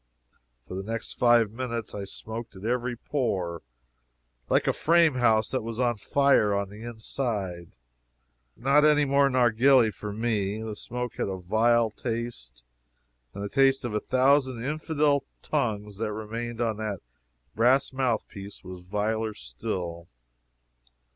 For the next five minutes I smoked at every pore, like a frame house that is on fire on the inside. Not any more narghili for me. The smoke had a vile taste, and the taste of a thousand infidel tongues that remained on that brass mouthpiece was viler still.